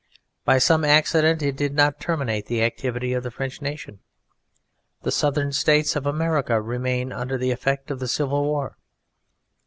By some accident it did not terminate the activity of the French nation. The Southern States of America remain under the effect of the Civil War.